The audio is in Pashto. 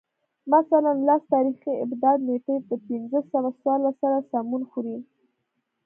مثلاً لس تاریخي آبدات نېټې د پنځه سوه څوارلس سره سمون خوري